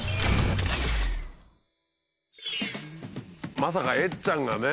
まさかえっちゃんがね。